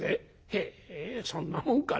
「へえそんなもんかね」。